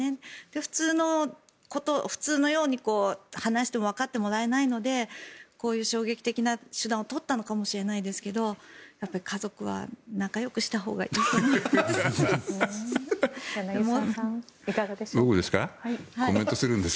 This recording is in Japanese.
普通のこと、普通のように話してもわかってもらえないのでこういう衝撃的な手段を取ったのかもしれませんけど家族は仲よくしたほうがいいと思います。